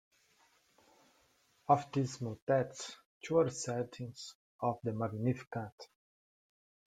Of his motets, two are settings of the Magnificat.